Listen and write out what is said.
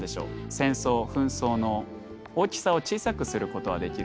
戦争紛争の大きさを小さくすることはできる。